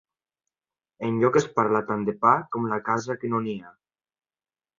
Enlloc es parla tant de pa com en la casa que no n'hi ha.